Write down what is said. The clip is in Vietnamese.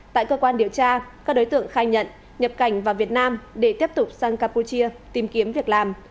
tại cơ quan điều tra các đối tượng khai nhận nhập cảnh vào việt nam để tiếp tục sang campuchia tìm kiếm việc làm